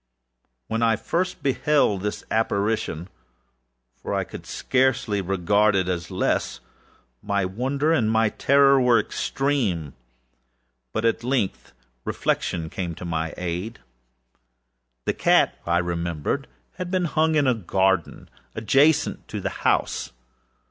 When I first beheld this apparitionâfor I could scarcely regard it as lessâmy wonder and my terror were extreme. But at length reflection came to my aid. The cat, I remembered, had been hung in a garden adjacent to the house.